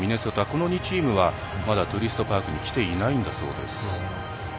この２チームはまだトゥルイストパークにきていないんだそうです。